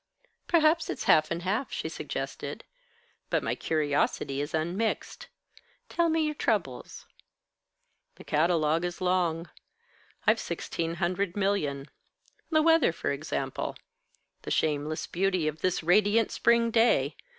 "Perhaps it's half and half," she suggested. "But my curiosity is unmixed. Tell me your troubles." "The catalogue is long. I've sixteen hundred million. The weather, for example. The shameless beauty of this radiant spring day.